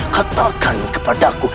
katakan kepada aku